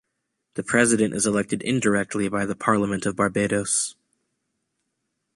The president is elected indirectly by the Parliament of Barbados.